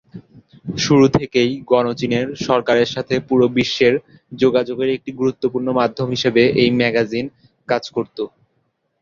শুরু থেকেই গণচীনের সরকারের সাথে পুরো বিশ্বের যোগাযোগের একটি গুরুত্বপূর্ণ মাধ্যম হিসেবে এই ম্যাগাজিন কাজ করত।